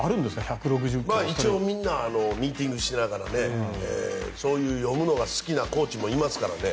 一応みんなミーティングしながらそういう読むのが好きなコーチもいますからね。